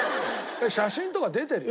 写真とか出てるよ。